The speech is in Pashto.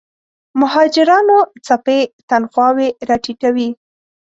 مهاجرانو څپې تنخواوې راټیټوي.